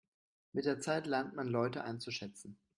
Mit der Zeit lernt man Leute einzuschätzen.